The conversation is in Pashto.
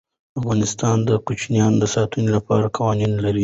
افغانستان د کوچیانو د ساتنې لپاره قوانین لري.